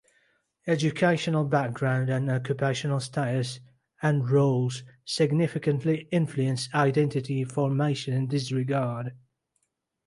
Educational background and Occupational status and roles significantly influence identity formation in this regard.